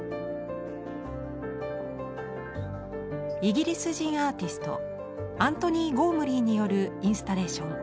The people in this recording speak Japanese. イギリス人アーティストアントニーゴームリーによるインスタレーション